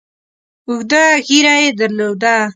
اوږده ږیره یې درلوده.